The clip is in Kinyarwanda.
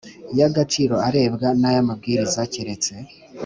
Y agaciro arebwa n aya mabwiriza keretse